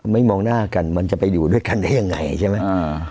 มองหน้ากันมันจะไปอยู่ด้วยกันได้ยังไงใช่ไหม